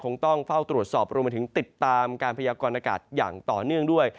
ต้องเฝ้าตรวจสอบรวมมาถึงติดตามการพยากรณากาศอย่างต่อเนื่องด้วย